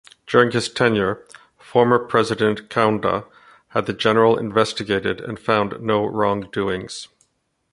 During his tenure, former president Kaunda had the General investigated and found no wrongdoings.